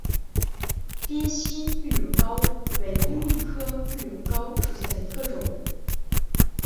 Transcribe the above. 滇西绿绒蒿为罂粟科绿绒蒿属下的一个种。